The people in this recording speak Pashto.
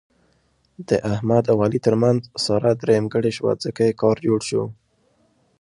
د احمد او علي ترمنځ ساره درېیمګړې شوه، ځکه یې کار جوړ شو.